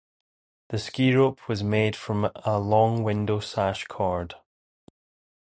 The ski rope was made from a long window sash cord.